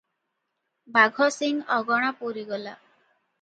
ବାଘସିଂ ଅଗଣା ପୂରିଗଲା ।